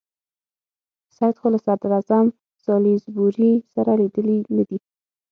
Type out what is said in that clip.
سید خو له صدراعظم سالیزبوري سره لیدلي نه دي.